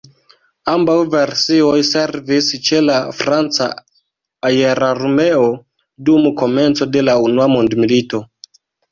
Ambaŭ versioj servis ĉe la franca aerarmeo dum komenco de la unua mondmilito.